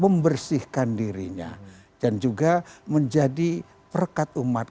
membersihkan dirinya dan juga menjadi perkat umat